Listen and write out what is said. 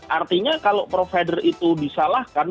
artinya kalau provider itu disalahkan